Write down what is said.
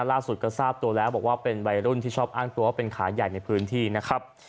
ล่าสุดก็ทราบตัวแล้วบอกว่าเป็นวัยรุ่นที่ชอบอ้างตัวว่าเป็นขาใหญ่ในพื้นที่นะครับ